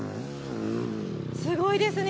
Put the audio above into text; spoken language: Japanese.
すごいですね。